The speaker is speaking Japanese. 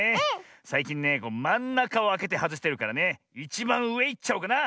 さいきんねまんなかをあけてはずしてるからねいちばんうえいっちゃおうかな！